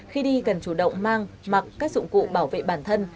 khi đi cần chủ động mang mặc các dụng cụ bảo vệ bản thân